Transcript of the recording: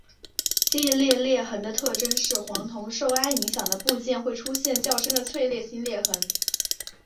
季裂裂痕的特征是黄铜受氨影响的部件会出现较深的脆性裂痕。